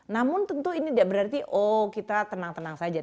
namun tentu ini tidak berarti oh kita tenang tenang saja